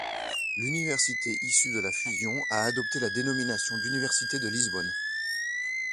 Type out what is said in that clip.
L'université issue de la fusion a adopté la dénomination d'Université de Lisbonne.